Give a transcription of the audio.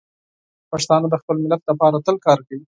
پښتانه د خپل ملت لپاره تل کار کوي.